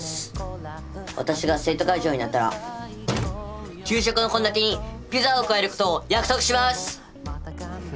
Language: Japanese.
私が生徒会長になったら給食のこんだてにピザを加えることを約束します。